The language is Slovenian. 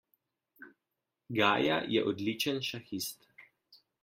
Gaja je odličen šahist.